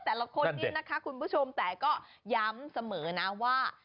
แต่ละคนนี้นะคะคุณผู้ชมแต่ก็ย้ำเสมอนะว่า